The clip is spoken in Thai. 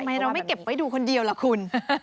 ทำไมเราไม่เก็บไว้ดูคนเดียวล่ะคุณ